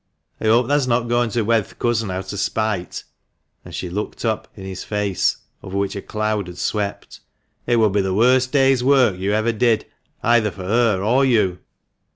I hope thah's not goin' to wed th' cousin out o' spite," and she looked up in his face, over which a cloud had swept. " It would be the worst day's work you ever did, either for her or you."